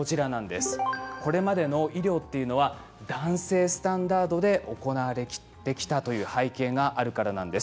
これまでの医療というのは男性スタンダードで行われてきたという背景があるからなんです。